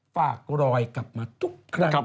ฝากรอยกลับมาทุกครั้ง